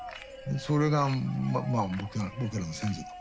それが僕らの先人。